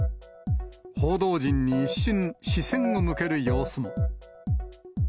報道陣に一瞬、視線を向ける様子も。